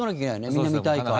みんな見たいから。